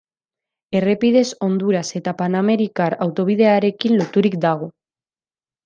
Errepidez Honduras eta Panamerikar autobidearekin loturik dago.